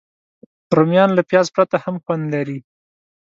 رومیان له پیاز پرته هم خوند لري